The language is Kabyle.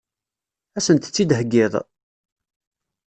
Ad sent-tt-id-theggiḍ?